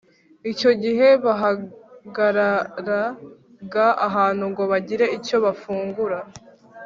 Icyo igihe bahagararaga ahantu ngo bagire icyo bafungura